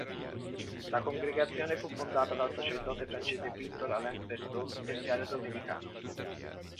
La congregazione fu fondata dal sacerdote francese Victor-Alain Berto, terziario domenicano.